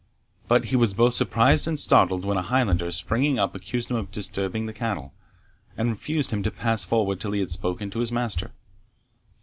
But he was both surprised and startled, when a Highlander, springing up, accused him of disturbing the cattle, and refused him to pass forward till he had spoken to his master.